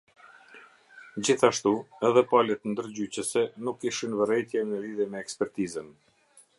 Gjithashtu, edhe palët ndërgjyqëse nuk kishin vërejtje në lidhje me ekspertizën.